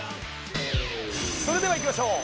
それではいきましょう。